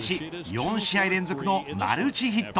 ４試合連続のマルチヒット。